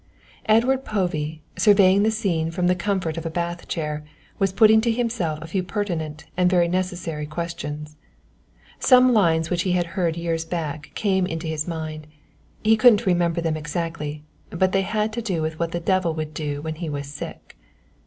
Edward Povey, surveying the scene from the comfort of a bath chair, was putting to himself a few pertinent and very necessary questions. Some lines which he had heard years back came into his mind, he couldn't remember them exactly, but they had to do with what the devil would do when he was sick.